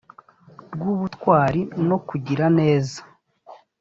rw ubutwari no kugira neza